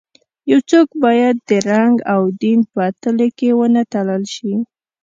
یو څوک باید د رنګ او دین په تلې کې ونه تلل شي.